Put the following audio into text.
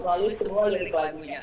lalu semua lirik lagunya